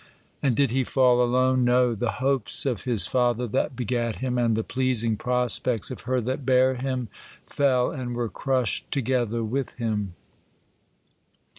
And did he fall alone ? No : the hopes of his father that begat him, and the pleasing prospects of her that bare him, fell, and were crushed together with him.